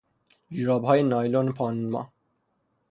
جورابهای نایلون پانما